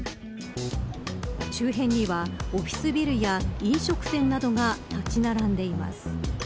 周辺には、オフィスビルや飲食店などが立ち並んでいます。